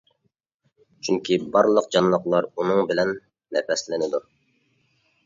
چۈنكى بارلىق جانلىقلار ئۇنىڭ بىلەن نەپەسلىنىدۇ.